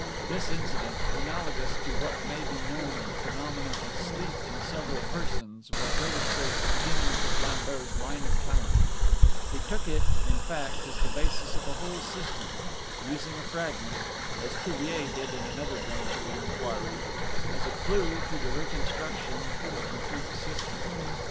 This incident, analogous to what may be known of the phenomena of sleep in several persons, will illustrate the beginnings of Lambert's line of talent; he took it, in fact, as the basis of a whole system, using a fragment as Cuvier did in another branch of inquiry as a clue to the reconstruction of a complete system.